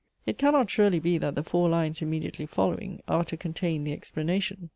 It cannot surely be, that the four lines, immediately following, are to contain the explanation?